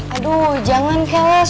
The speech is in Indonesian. aduh jangan keles